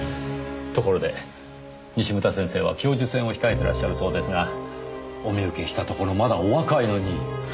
ところで西牟田先生は教授選を控えてらっしゃるそうですがお見受けしたところまだお若いのに素晴らしいですね。